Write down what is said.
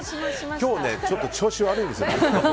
今日ちょっと調子悪いです。